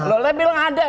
lo lebih bilang ada